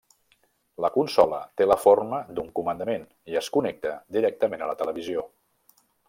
La consola té la forma d'un comandament i es connecta directament a la televisió.